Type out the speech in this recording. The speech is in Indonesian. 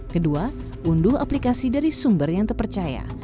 kedua unduh aplikasi dari sumber yang terpercaya